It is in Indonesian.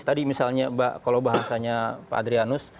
tadi misalnya kalau bahasanya pak adrianus